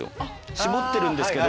絞ってるんですけど。